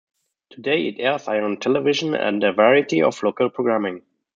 Today it airs Ion Television and a variety of local programming.